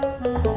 tidak ada apa apa